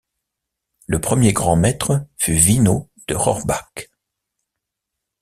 Le premier grand-maître fut Winno de Rohrbach.